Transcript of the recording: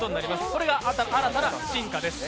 それが新たな進化です。